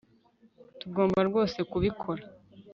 tugomba rwose kubikora